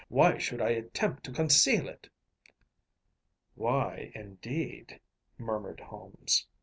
Why should I attempt to conceal it?‚ÄĚ “Why, indeed?‚ÄĚ murmured Holmes.